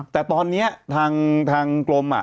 แต่ตอนเนี้ยทางกรมอะ